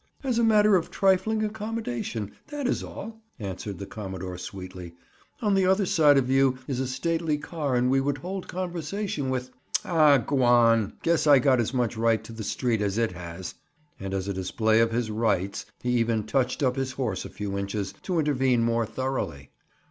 "As a matter of trifling accommodation, that is all," answered the commodore sweetly. "On the other side of you is a stately car and we would hold conversation with—" "Aw, gwan! Guess I got as much right to the street as it has." And as a display of his "rights," he even touched up his horse a few inches, to intervene more thoroughly.